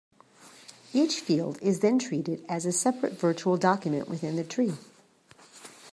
Each field is then treated as a separate virtual document within the tree.